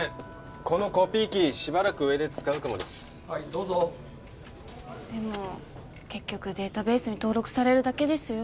このコピー機しばらく上で使うかもです・はいどうぞでも結局データベースに登録されるだけですよ